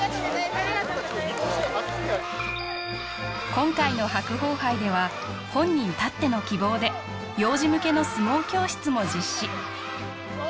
今回の白鵬杯では本人たっての希望で幼児向けの相撲教室も実施あ